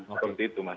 seperti itu mas